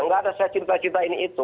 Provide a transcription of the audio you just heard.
enggak ada saya cinta cinta ini itu